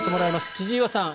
千々岩さん